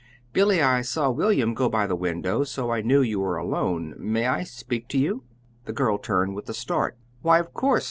"Billy, I saw William go by the window, so I knew you were alone. May I speak to you?" The girl turned with a start. "Why, of course!